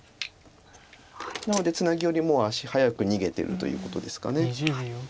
なのでツナギよりも足早く逃げてるということですか。